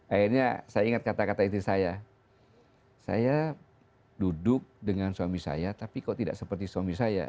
akhirnya saya ingat kata kata istri saya saya duduk dengan suami saya tapi kok tidak seperti suami saya